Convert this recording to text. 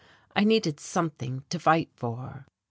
I needed something to fight for.